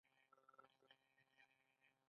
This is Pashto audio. په پانګوالۍ کې هم توکي عجیب او په زړه پورې ځواک لري